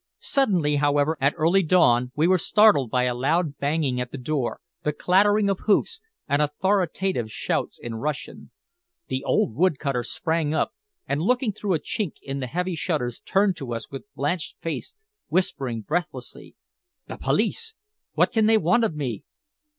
Suddenly, however, at early dawn, we were startled by a loud banging at the door, the clattering of hoofs, and authoritative shouts in Russian. The old wood cutter sprang up, and looking through a chink in the heavy shutters turned to us with blanched face, whispering breathlessly "The police! What can they want of me?"